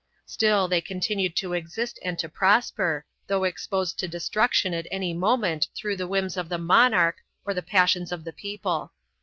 4 Still they continued to exist and to prosper, though exposed to destruction at any moment through the whims of the monarch or the passions of the people.